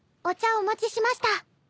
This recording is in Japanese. お持ちしました。